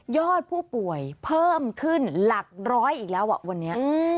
อดผู้ป่วยเพิ่มขึ้นหลักร้อยอีกแล้วอ่ะวันนี้